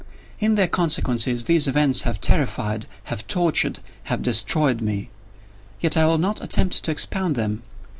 In their consequences, these events have terrified—have tortured—have destroyed me. Yet I will not attempt to expound them.